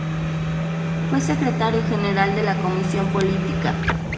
Fue Secretario General de la Comisión Política.